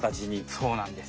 そうなんです。